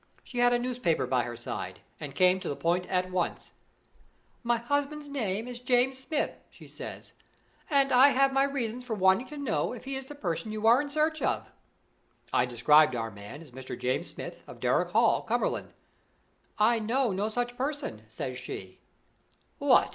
She had a newspaper by her side, and came to the point at once: 'My husband's name is James Smith,' she says, 'and I have my reasons for wanting to know if he is the person you are in search of.' I described our man as Mr. James Smith, of Darrock Hall, Cumberland. 'I know no such person,' says she " "What!